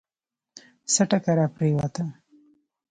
څه ټکه راپرېوته.